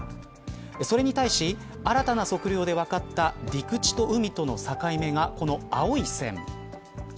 それに対し、新たな測量で分かった陸地と海との境目がこの青い線。